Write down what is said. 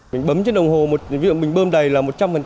mình bấm trên đồng hồ ví dụ mình bơm đầy là một trăm linh